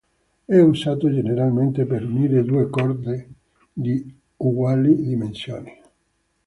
È usato generalmente per unire due corde di uguali dimensioni.